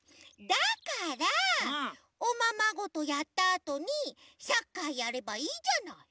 だからおままごとやったあとにサッカーやればいいじゃない。